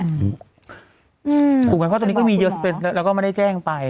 ถูกไหมเพราะตอนนี้ก็มีเยอะเป็นแล้วก็ไม่ได้แจ้งไป